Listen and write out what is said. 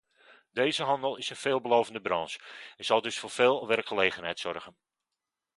Deze handel is een veelbelovende branche, en zal dus voor veel werkgelegenheid zorgen.